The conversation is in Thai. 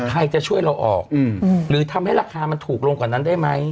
ใครจะช่วยเราออกหรือทำให้ราคามันถูกลงกว่านั้นได้ไหม